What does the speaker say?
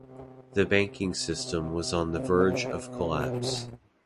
The banking system was on the verge of collapse.